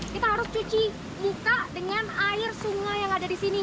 kita harus cuci muka dengan air sungai yang ada di sini